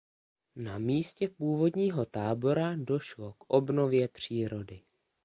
Na místě původního tábora došlo k obnově přírody.